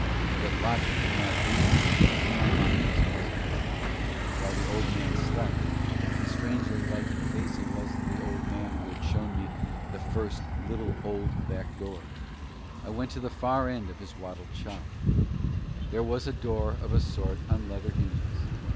Yet logic did not aid me and my mind was puzzled. While the old man slept and strangely like in face he was to the old man who had shown me first the little, old backdoor I went to the far end of his wattled shop. There was a door of a sort on leather hinges.